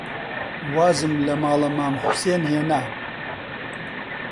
وازم لە ماڵە مام حوسێن هێنا